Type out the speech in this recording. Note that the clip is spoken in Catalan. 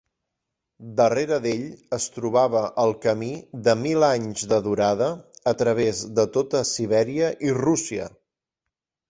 Darrere d'ell es trobava el camí de mil anys de durada a través de tota Sibèria i Rússia.